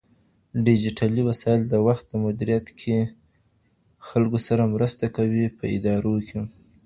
ډيجيټلي وسايل د وخت مديريت کې خلکو سره مرسته کوي په ادارو کې.